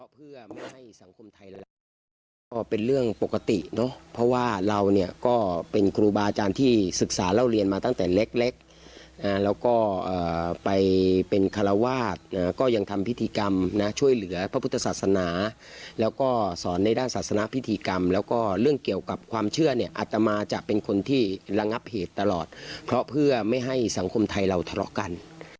เพื่อไม่ให้สังคมไทยก็เป็นเรื่องปกติเนอะเพราะว่าเราเนี่ยก็เป็นครูบาอาจารย์ที่ศึกษาเล่าเรียนมาตั้งแต่เล็กแล้วก็ไปเป็นคาราวาสก็ยังทำพิธีกรรมนะช่วยเหลือพระพุทธศาสนาแล้วก็สอนในด้านศาสนาพิธีกรรมแล้วก็เรื่องเกี่ยวกับความเชื่อเนี่ยอัตมาจะเป็นคนที่ระงับเหตุตลอดเพราะเพื่อไม่ให้สังคมไทยเราทะเลาะกัน